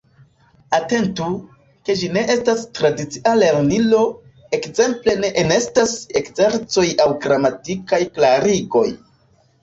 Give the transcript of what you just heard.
Atentu, ke ĝi ne estas tradicia lernilo: ekzemple, ne enestas ekzercoj aŭ gramatikaj klarigoj.